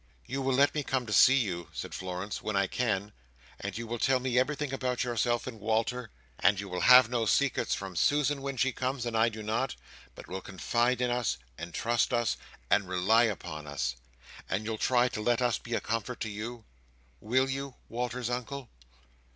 "You will let me come to see you," said Florence, "when I can; and you will tell me everything about yourself and Walter; and you will have no secrets from Susan when she comes and I do not, but will confide in us, and trust us, and rely upon us. And you'll try to let us be a comfort to you? Will you, Walter's Uncle?"